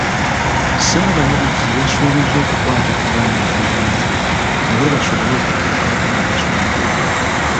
Ssaabalabirizi yasuubizza okukwata ku baana abalenzi nabo basobole okufuuka ab’omugaso mu ggwanga.